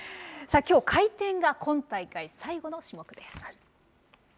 きょう、回転が今大会、最後の種目です。